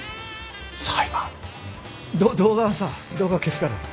裁判ど動画はさ動画は消すからさ